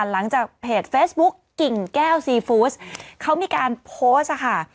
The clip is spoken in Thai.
หลังจากเพจเฟซบุ๊กกิ่งแก้วซีฟู้ดเขามีการโพสต์ค่ะ